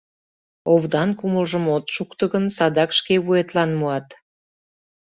Овдан кумылжым от шукто гын, садак шке вуетлан муат.